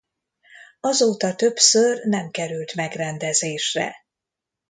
Azóta többször nem került megrendezésre.